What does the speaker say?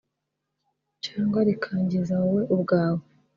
cyangwa rikangiza wowe ubwawe